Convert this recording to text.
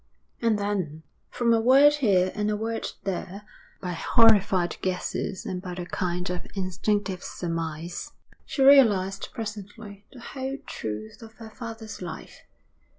And then, from a word here and a word there, by horrified guesses and by a kind of instinctive surmise, she realised presently the whole truth of her father's life.